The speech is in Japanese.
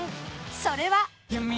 それは